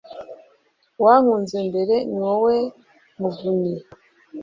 wankunze mbere. ni wowe muvunyi